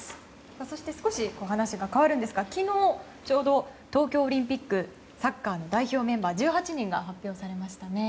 そして少し話が変わるんですが昨日ちょうど、東京オリンピックサッカーの代表メンバーの１８人が発表されましたね。